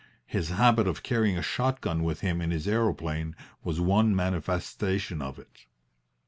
His habit of carrying a shot gun with him in his aeroplane was one manifestation of it.